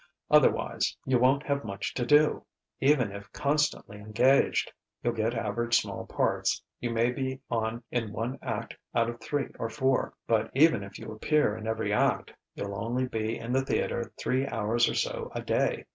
Otherwise, you won't have much to do, even if constantly engaged. You'll get average small parts; you may be on in one act out of three or four. But even if you appear in every act, you'll only be in the theatre three hours or so a day.